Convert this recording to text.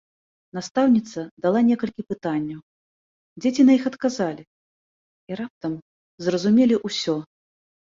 Настаўніца дала некалькі пытанняў, дзеці на іх адказалі і раптам зразумелі ўсё.